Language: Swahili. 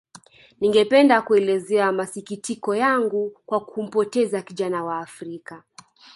Ningependa kuelezea masikitiko yangu kwa kumpoteza kijana wa Afrika